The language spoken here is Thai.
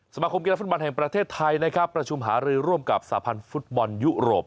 สมาคมกีฬาฟุตบอลแห่งประเทศไทยนะครับประชุมหารือร่วมกับสาพันธ์ฟุตบอลยุโรป